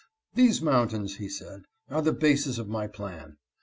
" These mountains," he said, " are the basis of my plan.